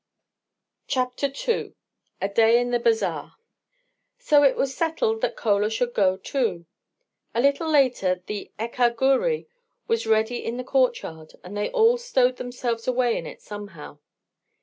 CHAPTER II A DAY IN THE BAZAAR SO it was settled that Chola should go, too. A little later the "ekka ghurrie" was ready in the courtyard, and they all stowed themselves away in it somehow.